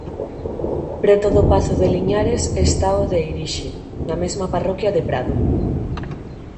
Preto do pazo de Liñares está o de Eirixe, na mesma parroquia de Prado.